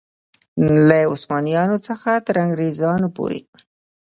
له عثمانیانو څخه تر انګرېزانو پورې.